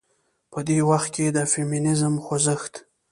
په دې وخت کې د فيمينزم خوځښت